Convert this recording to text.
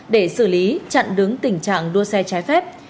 để xử lý chặn đứng tình trạng đua xe trái phép